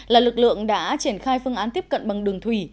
là lực lượng đã triển khai phương án tiếp cận bằng đường thủy